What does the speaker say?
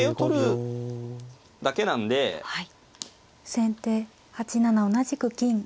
先手８七同じく金。